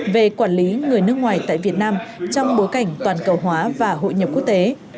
về quản lý người nước ngoài tại việt nam trong bối cảnh toàn cầu hóa và hội nhập quốc tế